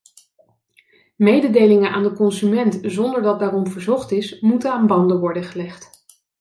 Mededelingen aan de consument zonder dat daarom verzocht is, moeten aan banden worden gelegd.